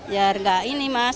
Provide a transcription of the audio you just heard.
ya enggak ini mas